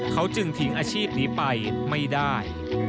เขาจึงทิ้งอาชีพนี้ไปไม่ได้